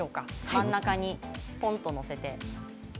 真ん中に、ぽんと載せて。